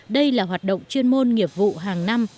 đây là hoạt động chuyên môn nghiệp vụ hàng năm